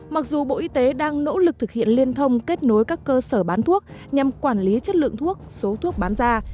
mặc dù bộ y tế đang nỗ lực thực hiện liên thông kết nối các cơ sở bán thuốc nhằm quản lý chất lượng thuốc số thuốc bán ra